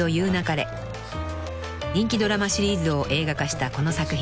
［人気ドラマシリーズを映画化したこの作品］